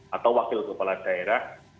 atau wakil kepala daerah